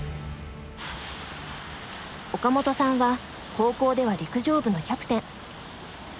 岡本さんは高校では陸上部のキャプテン。